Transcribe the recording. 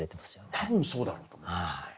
多分そうだろうと思いますね。